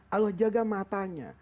allah jaga matanya